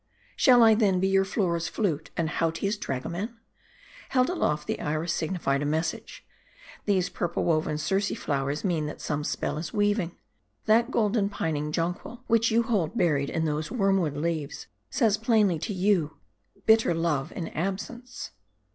" Shall I, then, be your Flora's Jftute, and Hautia's drago man ? Held aloft, the Iris signified a message. These purple woven Circe flowers mean that some spell is weav ing. That golden, pining jonquil, which you hold, buried in those wormwood leaves, says plainly to you Bit, ter love in absence."